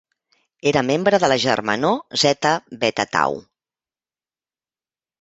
Era membre de la germanor Zeta Beta Tau.